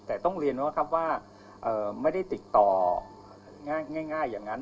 แต่ต้องเรียนนะครับว่าไม่ได้ติดต่อง่ายอย่างนั้น